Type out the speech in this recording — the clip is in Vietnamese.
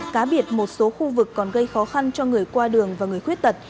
cá biệt một số khu vực còn gây khó khăn cho người qua đường và người khuyết tật